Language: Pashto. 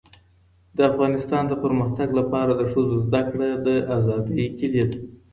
. د افغانستان د پرمختګ لپاره د ښځو زدهکړه د آزادۍ کيلي ده.